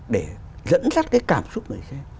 để dẫn dắt cái cảm xúc người xem